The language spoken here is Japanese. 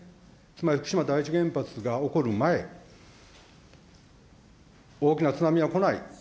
つまり、福島第一原発が起こる前、大きな津波は来ない。